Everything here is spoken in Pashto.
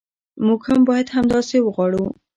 موږ هم باید همداسې وغواړو.